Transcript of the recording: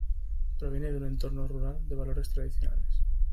Proviene de un entorno rural de valores tradicionales.